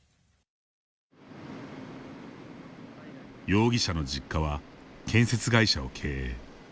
容疑者の実家は建設会社を経営。